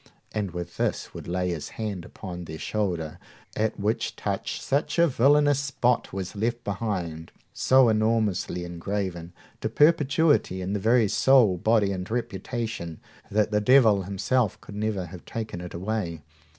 And with this would lay his hand upon their shoulder, at which touch such a villainous spot was left behind, so enormously engraven to perpetuity in the very soul, body, and reputation, that the devil himself could never have taken it away.